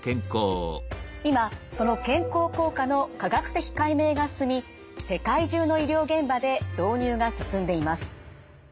今その健康効果の科学的解明が進み世界中の医療現場で導入が進んでいます。